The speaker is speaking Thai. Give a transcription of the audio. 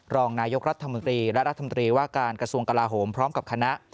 รองนายกรัฐมนตรีและรัฐมนตรีว่าการกระทรวงกลาโหมพร้อมกับคณะ